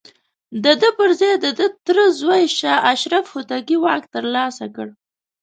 د ده پر ځاى د ده تره زوی شاه اشرف هوتکي واک ترلاسه کړ.